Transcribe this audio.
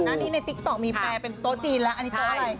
อันนี้ในติ๊กต๊อกมีแปลเป็นโต๊ะจีนแล้วอันนี้โต๊ะอะไร